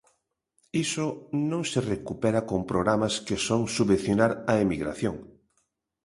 Iso non se recupera con programas que son subvencionar a emigración.